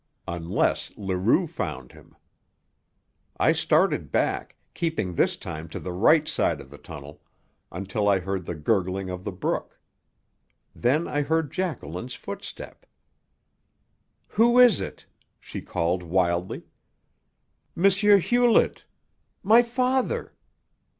Unless Leroux found him. I started back, keeping this time to the right side of the tunnel, until I heard the gurgling of the brook. Then I heard Jacqueline's footstep. "Who is it?" she called wildly. "M. Hewlett! My father!"